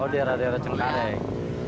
oh di daerah daerah cengkareng